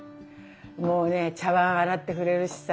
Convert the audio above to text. もうね茶わん洗ってくれるしさ。